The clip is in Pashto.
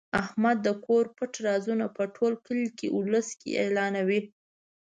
احمد د کور پټ رازونه په ټول کلي اولس کې اعلانوي.